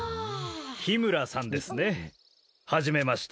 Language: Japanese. ・緋村さんですね。初めまして。